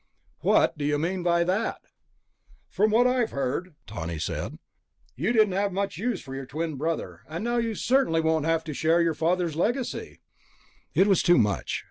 "What do you mean by that?" "From what I've heard," Tawney said, "you didn't have much use for your twin brother. And now you certainly won't have to share your father's legacy...." It was too much.